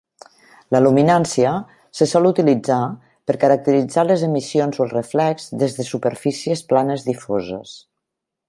La luminància se sol utilitzar per caracteritzar les emissions o el reflex des de superfícies planes difoses.